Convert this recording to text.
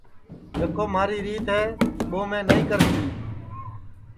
جکو مہاری ریت ہے ٻو میں نائی کرنے دؔیئے